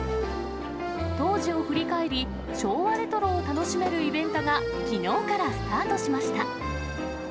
当時を振り返り、昭和レトロを楽しめるイベントがきのうからスタートしました。